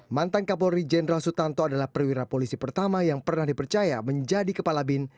mantan kapolri jenderal sutanto adalah perwira polisi pertama yang pernah dipercaya menjadi kepala bin